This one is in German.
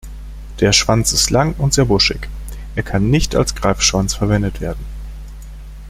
Der Schwanz ist lang und sehr buschig, er kann nicht als Greifschwanz verwendet werden.